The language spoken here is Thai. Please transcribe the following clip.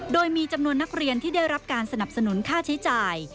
โดยมีจำนวนนักเรียนที่ได้รับการสนับสนุนค่าใช้จ่าย